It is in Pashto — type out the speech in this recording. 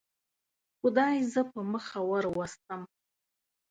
خدای زه په مخه وروستم.